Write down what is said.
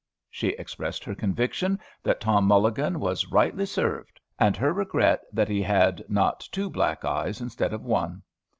She expressed her conviction that Tom Mulligan was rightly served, and her regret that he had not two black eyes instead of one.